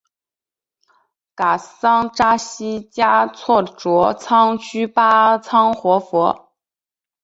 噶桑扎西嘉措卓仓居巴仓活佛。